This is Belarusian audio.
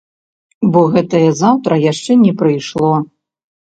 Бо гэтае заўтра яшчэ не прыйшло.